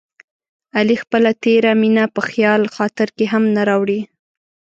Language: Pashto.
علي خپله تېره مینه په خیال خاطر کې هم نه راوړي.